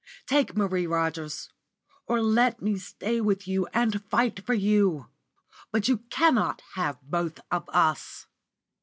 Take Marie Rogers, or let me stay with you, and fight for you. But you cannot have both of us."